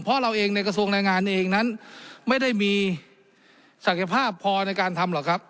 เพราะเราเองในกระทรวงแรงงานเองนั้นไม่ได้มีศักยภาพพอในการทำหรอกครับ